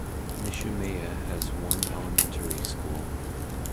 Nishimeya has one elementary school.